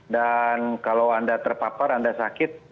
dan kalau anda terpapar anda sakit